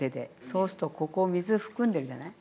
そうするとここ水含んでるじゃない？